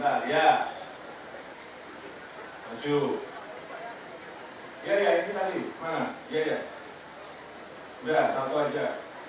hai jujur ya ya ini tadi mana ya ya udah satu aja